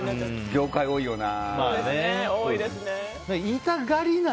業界、多いよな。